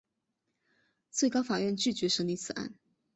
最高法院拒绝审理此案。